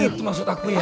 itu maksud aku ya